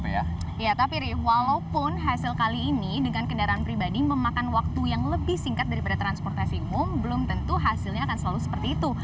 iya tapi ri walaupun hasil kali ini dengan kendaraan pribadi memakan waktu yang lebih singkat daripada transportasi umum belum tentu hasilnya akan selalu seperti itu